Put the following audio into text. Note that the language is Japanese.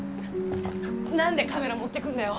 なんでカメラ持ってくんだよ！